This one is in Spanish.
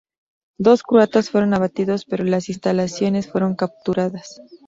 Dos croatas fueron abatidos pero las instalaciones fueron capturadas.